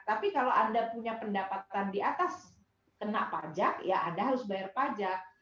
tapi kalau anda punya pendapatan di atas kena pajak ya anda harus bayar pajak